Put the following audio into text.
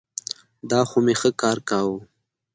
دا خو مي ښه کار کاوه.